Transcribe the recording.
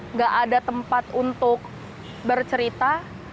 nggak ada tempat untuk bercerita